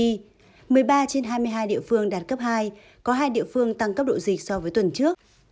một mươi ba trên hai mươi hai địa phương đạt cấp hai có hai địa phương tăng cấp độ dịch so với tuần trước